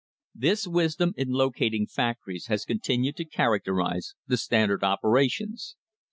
This wisdom in locating factories has continued to characterise the Standard operations.